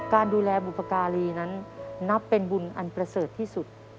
การดูแลบุพการีนั้นนับเป็นบุญอันประเสริฐที่สุด